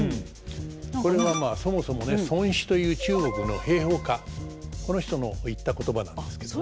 これはまあそもそもね孫子という中国の兵法家この人の言った言葉なんですけどね。